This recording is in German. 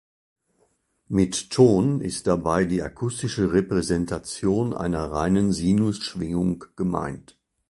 Mit „Ton“ ist dabei die akustische Repräsentation einer reinen Sinusschwingung gemeint.